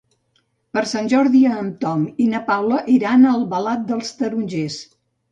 Per Sant Jordi en Tom i na Paula iran a Albalat dels Tarongers.